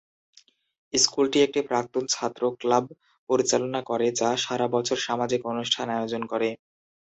স্কুলটি একটি প্রাক্তন ছাত্র ক্লাব পরিচালনা করে, যা সারা বছর সামাজিক অনুষ্ঠান আয়োজন করে।